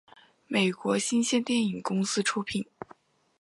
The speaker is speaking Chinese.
美国新线电影公司出品。